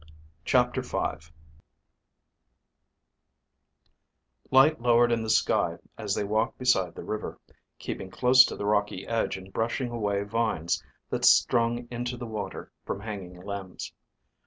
CHAPTER V Light lowered in the sky as they walked beside the river, keeping close to the rocky edge and brushing away vines that strung into the water from hanging limbs.